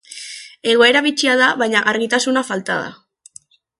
Egoera bitxia da, baina argitasuna falta da.